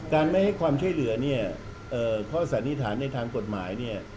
ไม่ให้ความช่วยเหลือเนี่ยข้อสันนิษฐานในทางกฎหมายเนี่ย